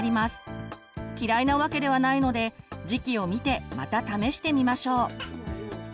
嫌いなわけではないので時期を見てまた試してみましょう。